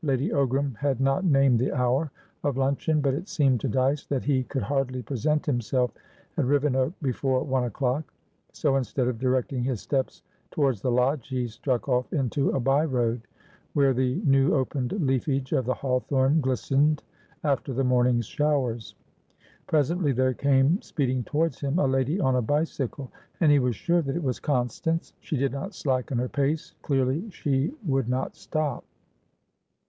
Lady Ogram had not named the hour of luncheon, but it seemed to Dyce that he could hardly present himself at Rivenoak before one o'clock; so, instead of directing his steps towards the lodge; he struck off into a by road, where the new opened leafage of the hawthorn glistened after the morning's showers. Presently there came speeding towards him a lady on a bicycle, and he was sure that it was Constance. She did not slacken her pace; clearly she would not stop.